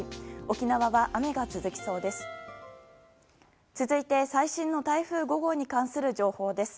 沖縄は雨が続きそうです。